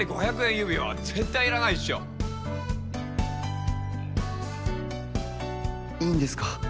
指輪絶対いらないっしょいいんですか？